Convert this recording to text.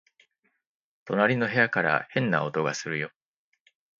隣の部屋から変な音がするよ